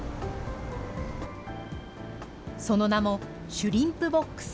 その名もシュリンプボックス。